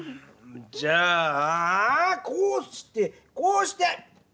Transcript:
じゃあこうしてこうして。